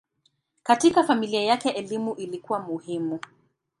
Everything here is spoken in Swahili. Katika familia yake elimu ilikuwa muhimu.